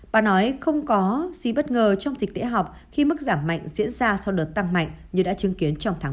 bà nói không có gì bất ngờ trong dịch tễ học khi mức giảm mạnh diễn ra sau đợt tăng mạnh như đã chứng kiến trong tháng một mươi